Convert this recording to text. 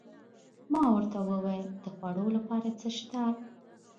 ما ورته وویل: د خوړو لپاره څه شته؟